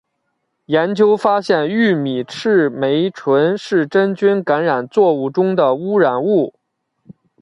研究发现玉米赤霉醇是真菌感染作物中的污染物。